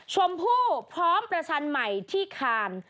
ชมพู่พร้อมเพศรรใหม่ที่คาร์น